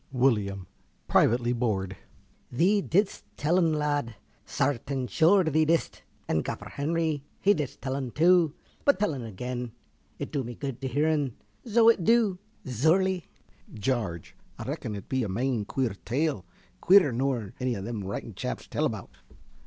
~Willyum~ (privately bored). Thee didst tell 'un, lad, sartain sure thee didst. And Gaffer Henry, he didst tell 'un too. But tell 'un again. It du me good to hear 'un, zo it du. Zure lie. ~Jarge~. A rackun it be a main queer tale, queerer nor any them writing chaps tell about.